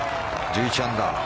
１１アンダー。